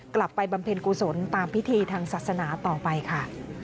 บำเพ็ญกุศลตามพิธีทางศาสนาต่อไปค่ะ